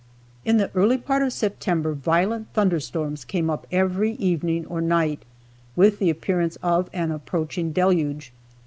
In the early part of September violent thunderstorms came up every evening or night, with the appearance of an approaching deluge.